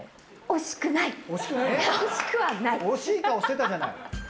惜しい顔してたじゃない。